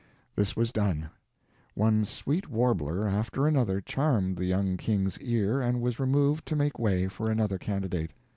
This was done. One sweet warbler after another charmed the young king's ear and was removed to make way for another candidate.